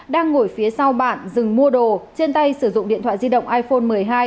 đang ngồi phía sau bạn dừng mua đồ trên tay sử dụng điện thoại di động iphone một mươi hai